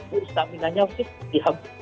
buk stamina nya harus dihapus